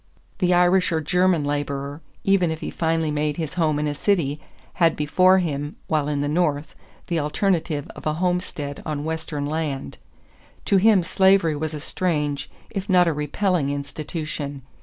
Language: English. The Irish or German laborer, even if he finally made his home in a city, had before him, while in the North, the alternative of a homestead on Western land. To him slavery was a strange, if not a repelling, institution.